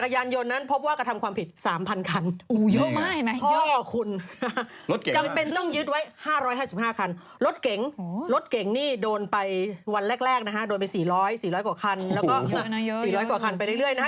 โดยไป๔๐๐กว่าคันแล้วก็๔๐๐กว่าคันไปเรื่อยนะฮะ